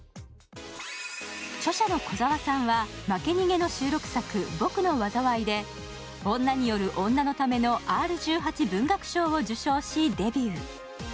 著者のこざわさんは、「負け逃げ」の収録作「僕の災い」で女による女のためのＲ−１８文学賞を受賞しデビュー。